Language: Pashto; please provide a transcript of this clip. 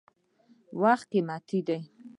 • وخت قیمتي دی.